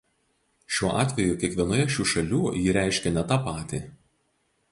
Šiuo atveju kiekvienoje šių šalių ji reiškia ne tą patį.